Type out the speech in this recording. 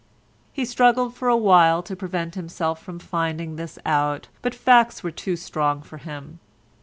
He struggled for a while to prevent himself from finding this out, but facts were too strong for him.